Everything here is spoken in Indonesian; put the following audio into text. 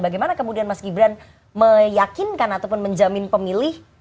bagaimana kemudian mas gibran meyakinkan ataupun menjamin pemilih